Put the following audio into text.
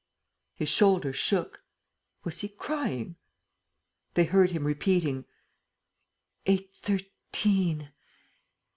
His shoulders shook. Was he crying? They heard him repeating: "813 ... 813. ..."